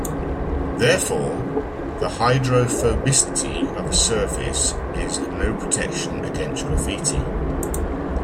Therefore, the hydrophobicity of a surface is no protection against graffiti.